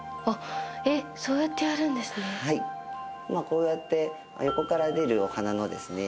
こうやって横から出るお花のですね